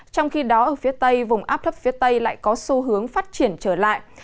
trong khi đó ở phía tây vùng áp thấp phía tây lại có xu hướng phát triển trở lại